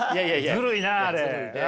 ずるいなあれ。